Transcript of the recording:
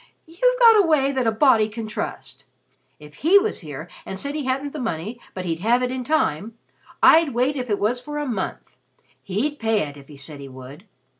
You've got a way that a body can trust. If he was here and said he hadn't the money but he'd have it in time, I'd wait if it was for a month. He'd pay it if he said he would.